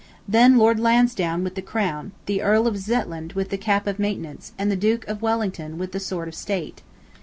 Then Lord Lansdowne with the crown, the Earl of Zetland, with the cap of maintenance, and the Duke off Wellington, with the sword of State.